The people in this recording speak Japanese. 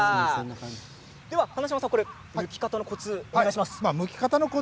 花嶋さん、むき方のコツをお願いします。